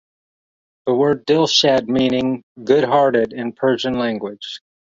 The word Dilshad meaning "good hearted" in Persian language.